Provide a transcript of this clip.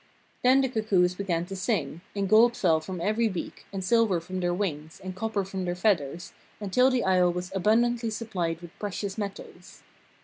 Then the cuckoos began to sing, and gold fell from every beak, and silver from their wings, and copper from their feathers, until the isle was abundantly supplied with precious metals.